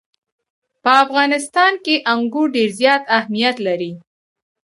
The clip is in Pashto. په افغانستان کې انګور ډېر زیات اهمیت لري.